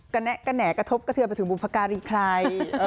กระแหน่กระทบกระพือกประถือมภาคารีใคร